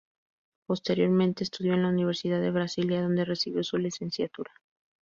Posteriormente estudió en la Universidad de Brasilia, donde recibió su licenciatura.